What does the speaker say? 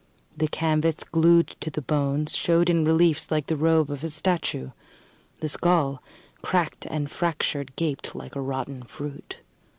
The canvas, glued to the bones, showed in reliefs like the robe of a statue. The skull, cracked and fractured, gaped like a rotten fruit.